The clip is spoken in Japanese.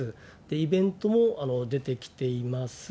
イベントも出てきています。